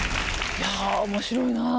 いや面白いなあ。